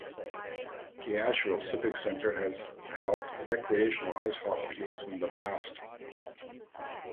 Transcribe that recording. The Asheville Civic Center has held recreational ice hockey leagues in the past.